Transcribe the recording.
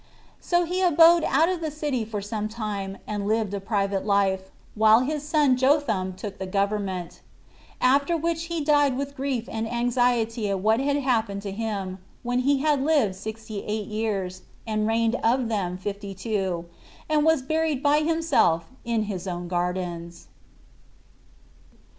So he abode out of the city for some time, and lived a private life, while his son Jotham took the government; after which he died with grief and anxiety at what had happened to him, when he had lived sixty eight years, and reigned of them fifty two; and was buried by himself in his own gardens.